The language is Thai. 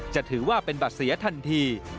จะถือว่าเป็นบัตรเสียทันที